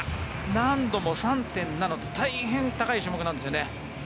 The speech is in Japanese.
難易度も３．７と大変難しい種目なんですね。